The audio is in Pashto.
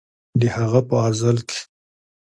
د هغه په غزل کښې